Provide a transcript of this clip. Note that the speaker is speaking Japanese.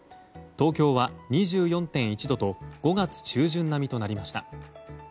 東京は２４．１度と５月中旬並みとなりました。